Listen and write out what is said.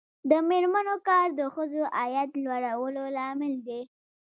د میرمنو کار د ښځو عاید لوړولو لامل دی.